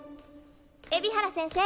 海老原先生。